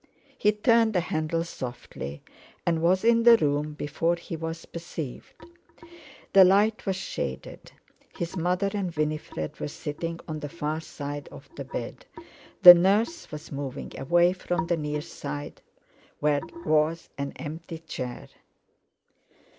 He turned the handle softly and was in the room before he was perceived. The light was shaded. His mother and Winifred were sitting on the far side of the bed; the nurse was moving away from the near side where was an empty chair.